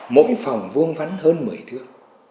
mỗi phòng vuông vắn hơn mười thước